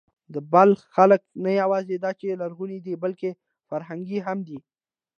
د بلخ خلک نه یواځې دا چې لرغوني دي، بلکې فرهنګي هم دي.